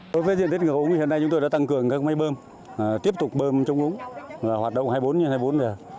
đối với diện tích ngầu úng thì hôm nay chúng tôi đã tăng cường các máy bơm tiếp tục bơm trong úng hoạt động hai mươi bốn h hai mươi bốn giờ